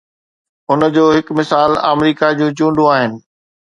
ان جو هڪ مثال آمريڪا جون چونڊون آهن.